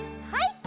はい。